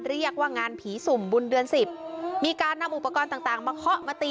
เรียกว่างานผีสุ่มบุญเดือนสิบมีการนำอุปกรณ์ต่างต่างมาเคาะมาตี